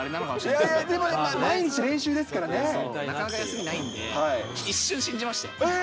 いやいやでも、毎日練習ですなかなか休みがないんで、一瞬信じましたよ。